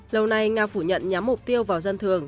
lâu nay nga phủ nhận nhắm mục tiêu vào dân thường